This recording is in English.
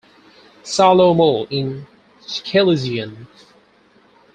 Salomo in Schlesien.